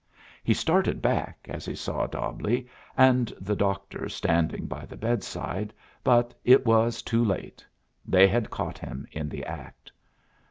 He started back as he saw Dobbleigh and the doctor standing by the bedside, but it was too late. They had caught him in the act.